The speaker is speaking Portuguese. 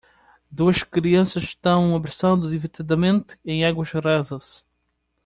Duas crianças estão abraçando divertidamente em águas rasas.